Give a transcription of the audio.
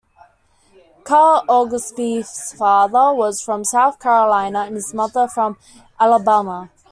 Carl Oglesby's father was from South Carolina, and his mother from Alabama.